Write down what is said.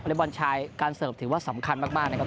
บอลชายการเสิร์ฟถือว่าสำคัญมากนะครับ